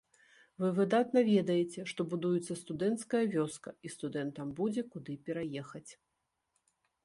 Вы выдатна ведаеце, што будуецца студэнцкая вёска, і студэнтам будзе куды пераехаць.